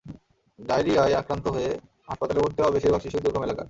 ডায়রিয়ায় আক্রান্ত হয়ে হাসপাতালে ভর্তি হওয়া বেশির ভাগ শিশুই দুর্গম এলাকার।